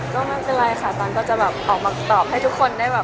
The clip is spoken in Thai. ก็มันเป็นไรค่ะตั๊มก็จะออกมาตอบให้ทุกคนอะไรค่ะ